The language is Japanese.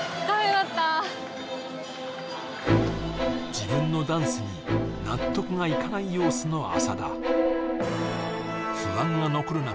自分のダンスに納得がいかない様子の浅田不安が残る中